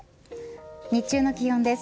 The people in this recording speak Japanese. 日中の気温です。